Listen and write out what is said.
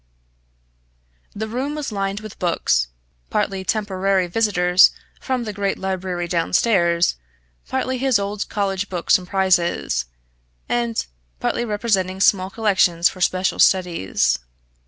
The room was lined with books, partly temporary visitors from the great library downstairs, partly his old college books and prizes, and partly representing small collections for special studies.